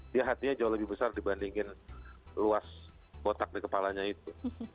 dia hatinya jauh lebih besar dibandingin luas kotak di kepalanya itu